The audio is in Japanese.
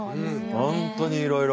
本当にいろいろ。